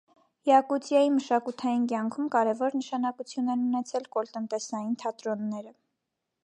Յակուտիայի մշակութային կյանքում կարևոր նշանակություն են ունեցել կոլտնտեսային թատրոնները։